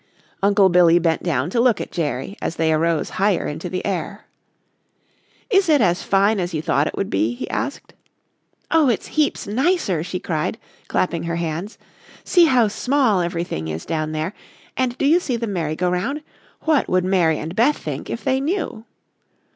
Uncle Billy bent down to look at Jerry as they arose higher into the air. "Is it as fine as you thought it would be?" he asked. "Oh, it's heaps nicer," she cried, clapping her hands. "See how small everything is down there, and do you see the merry go round? What would Mary and Beth think if they knew?"